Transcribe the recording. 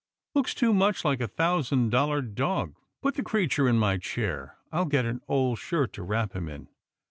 " Looks too much like a thousand dollar dog. Put the creature in my chair. I'll get an old shirt to wrap him in."